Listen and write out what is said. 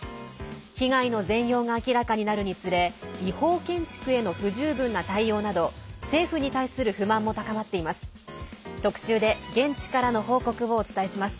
被害の全容が明らかになるにつれ違法建築への不十分な対応など政府に対する不満も高まっています。